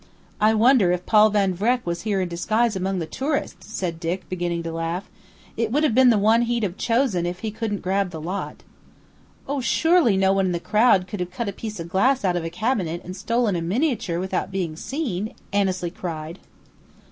"I wonder if Paul Van Vreck was here in disguise among the tourists?" said Dick, beginning to laugh. "It would have been the one he'd have chosen if he couldn't grab the lot." "Oh, surely no one in the crowd could have cut a piece of glass out of a cabinet and stolen a miniature without being seen!" Annesley cried.